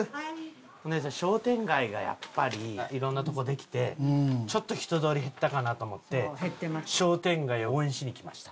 お姉さん商店街がやっぱりいろんなとこできてちょっと人通り減ったかなと思って商店街を応援しに来ました。